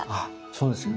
そうですよね